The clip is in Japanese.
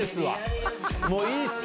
もういいっす。